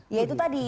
ya itu tadi